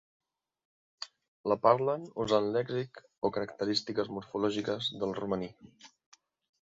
La parlen usant lèxic o característiques morfològiques del romaní.